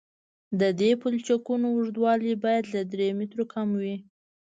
د دې پلچکونو اوږدوالی باید له درې مترو کم وي